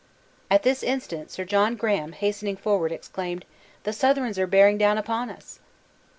At this instant, Sir John Graham, hastening forward, exclaimed: "The Southrons are bearing down upon us!"